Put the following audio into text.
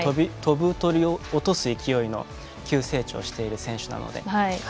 飛ぶ鳥を落とす勢いの急成長をしている選手なので。